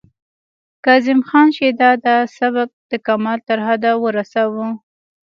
کاظم خان شیدا دا سبک د کمال تر حده ورساوه